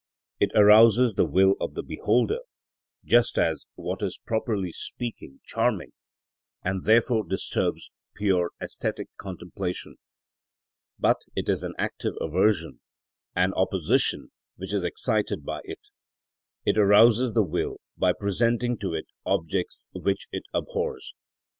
It arouses the will of the beholder, just as what is properly speaking charming, and therefore disturbs pure æsthetic contemplation. But it is an active aversion and opposition which is excited by it; it arouses the will by presenting to it objects which it abhors.